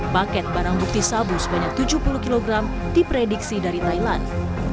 paket barang bukti sabu sebanyak tujuh puluh kg diprediksi dari thailand